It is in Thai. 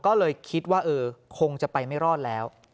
ก็เลยคิดว่าเออคงจะไปไม่รอดแล้ว